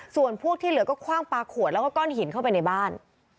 ส่วนพวกที่เหลือก็คว่างปลาขวดแล้วก็ก้อนหินเข้าไปในบ้าน